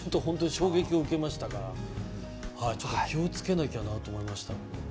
衝撃を受けましたから気をつけなきゃなと思いました。